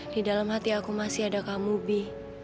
di dalam hati aku masih ada kamu bi